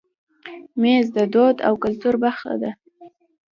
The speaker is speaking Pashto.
مېز د دود او کلتور برخه ده.